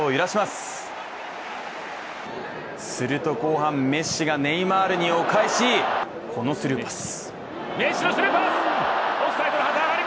すると、後半メッシがネイマールにお返し、このスルーパス。